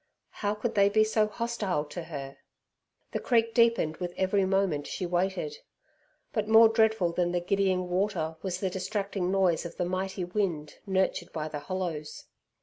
How could they be so hostile to her! The creek deepened with every moment she waited. But more dreadful than the giddying water was the distracting noise of the mighty wind, nurtured by the hollows.